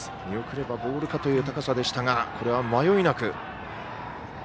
見送ればボールかという高さでしたが、迷いなく。